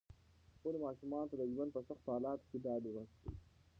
خپلو ماشومانو ته د ژوند په سختو حالاتو کې ډاډ ورکړئ.